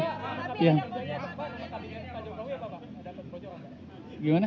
haranya harus ngurus pdsan apa pertanian